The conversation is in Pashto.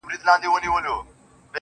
• پسله كلونه چي جانان تـه ورځـي.